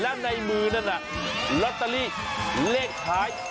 และในมือนั่นน่ะลอตเตอรี่เลขท้าย